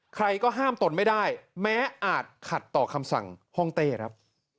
ใครก็ห้ามตนไม่ได้แม้อาจขัดต่อคำสั่งห้องเต้ครับ